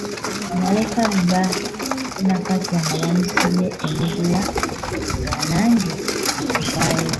Naleka bba Nakato bamusibye emiguwa nga nange nvaawo.